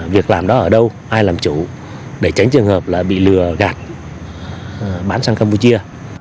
việc làm đó ở đâu ai làm chủ để tránh trường hợp là bị lừa gạt bán sang campuchia